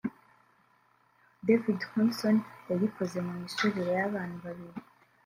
David Hanson yayikoze mu misusire y’abantu babiri